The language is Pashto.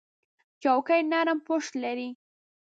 چوکۍ نرم پُشت لري.